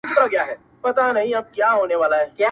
هره زرکه زما آواز نه سی لرلای -